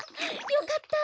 よかった！